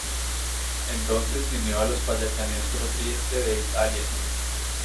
Entonces se unió a los Pallacanestro Trieste de Italia.